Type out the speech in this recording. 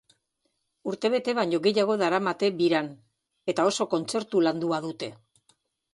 Urtebete baino gehiago daramate biran eta oso kontzertu landua dute.